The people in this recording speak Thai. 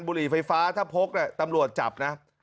บุหรี่ไฟฟ้าถ้าพกตำรวจจับนะ